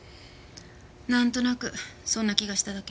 なんとなくそんな気がしただけ。